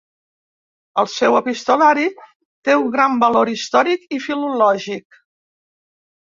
El seu epistolari té un gran valor històric i filològic.